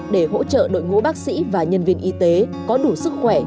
để hỗ trợ đội ngũ bác sĩ và nhân viên y tế có đủ sức khỏe